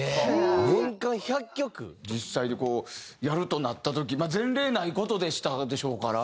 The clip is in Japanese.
実際にこうやるとなった時前例ない事でしたでしょうから。